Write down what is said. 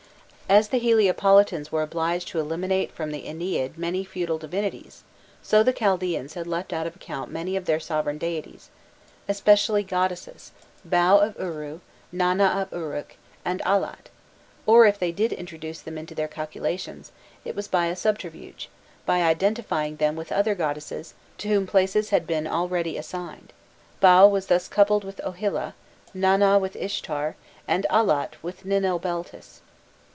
* As the Heliopolitans were obliged to eliminate from the Ennead many feudal divinities, so the Chaldaeans had left out of account many of their sovereign deities, especially goddesses, Bau of Uru, Nana of Uruk, and Allat; or if they did introduce them into their calculations, it was by a subterfuge, by identifying them with other goddesses, to whom places had been already assigned; Bau being thus coupled with Ohila, Nana with Ishtar, and Allat with Ninhl Beltis.